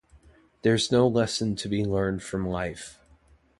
There's no lesson to be learned from life.